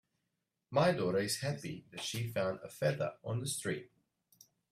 My daughter is happy that she found a feather on the street.